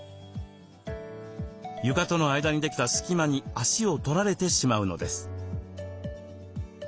床との間にできた隙間に足を取られてしまうのです。